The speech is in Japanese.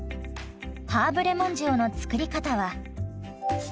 ハーブレモン塩の作り方は？